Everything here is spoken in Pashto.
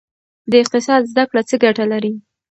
د اقتصاد زده کړه څه ګټه لري؟